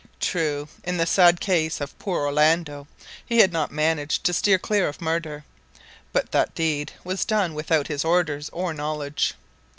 True, in the sad case of poor Orlando, he had not managed to steer clear of murder; but then that deed was done without his orders or knowledge.